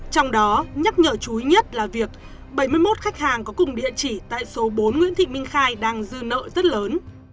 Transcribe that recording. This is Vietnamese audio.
trong đó nhắc nhở chú ý nhất là việc bảy mươi một khách hàng có cùng địa chỉ tại số bốn nguyễn thị minh khai đang dư nợ rất lớn